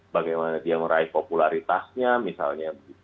bagaimana dia meraih popularitasnya misalnya